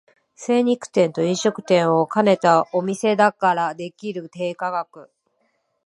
精肉店と飲食店を兼ねたお店だからできる低価格